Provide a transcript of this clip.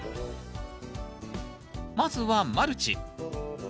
まずはマルチ。